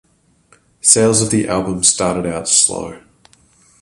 Sales of the album started out slow.